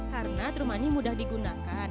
karena true money mudah digunakan